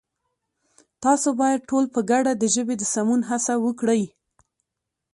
تاسو بايد ټول په گډه د ژبې د سمون هڅه وکړئ!